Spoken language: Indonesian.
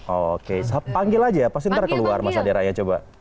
oke panggil aja ya pasti ntar keluar mas adera ya coba